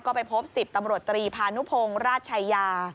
ก็ไปพบ๑๐ตำรวจตรีพานุพงศ์ราชชายา